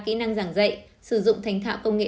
kỹ năng giảng dạy sử dụng thành thạo công nghệ